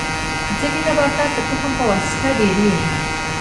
ځینې نباتات د تخم په واسطه ډیریږي